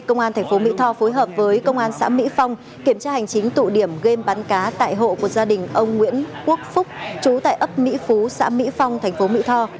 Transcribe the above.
khoảng chín giờ sáng nay công an tp mỹ tho phối hợp với công an xã mỹ phong kiểm tra hành chính tụ điểm game bán cá tại hộ của gia đình ông nguyễn quốc phúc chú tại ấp mỹ phú xã mỹ phong tp mỹ tho